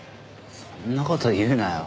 そんな事言うなよ。